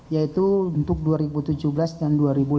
yaitu untuk dua ribu tujuh belas dan dua ribu lima belas